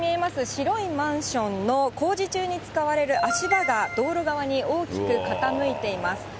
白いマンションの工事中に使われる足場が道路側に大きく傾いています。